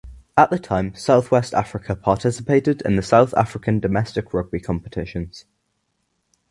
At the time South West Africa participated in the South African domestic rugby competitions.